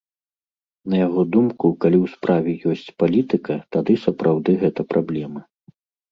На яго думку, калі ў справе ёсць палітыка, тады сапраўды гэта праблема.